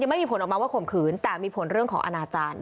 ไม่มีผลออกมาว่าข่มขืนแต่มีผลเรื่องของอนาจารย์